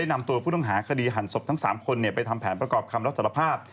นำตัวผู้ต้องหาคดีหั่นศพทั้ง๓คนไปทำแผนประกอบคำรับสารภาพ